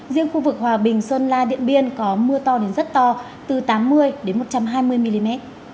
riêng khu vực hòa bình sơn la điện biên có mưa to đến rất to từ tám mươi đến một trăm hai mươi mm